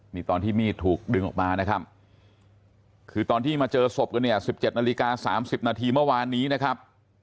นี่ตอนที่มีดถูกดึงออกมานะครับคือตอนที่มาเจอศพกันเนี่ย๑๗นาฬิกา๓๐นาทีเมื่อวานนี้นะครับ